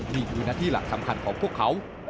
นี่คือหน้าที่หลักสำคัญของพวกเขา